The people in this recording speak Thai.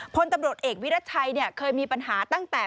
พลตำรวจเอกวิรัชชัยเคยมีปัญหาตั้งแต่